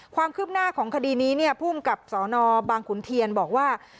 ความคืบหน้าของคดีนี้เนี่ยภูมิกับสนบางขุนเทียนบอกว่า